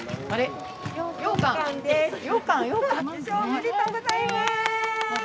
受賞おめでとうございます！